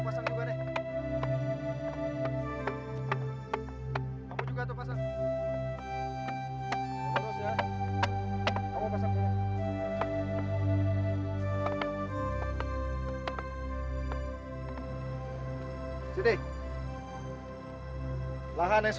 masih lanjut vnd masa